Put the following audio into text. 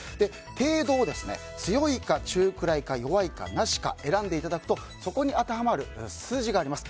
程度を強いか、中くらいか弱いか、なしか選んでいただくとそこに当てはまる数字があります。